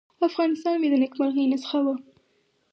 افغانستان مې د نیکمرغۍ نسخه وه.